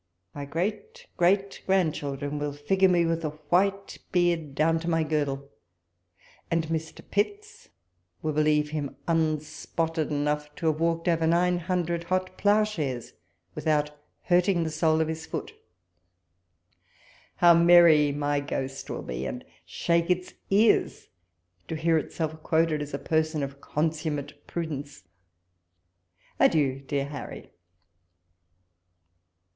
My great great grandchildren will figure me with a white beard down to my girdle ; and Mr. Pitt's will believe him unspotted enough to have walked over nine 56 walpole's letters. hundred hot ploughshares, without hurting the sole of his foot. How merry my ghost will be, and shake its ears to hear itself quoted as a person of consummate prudence ! Adieu, dear Harry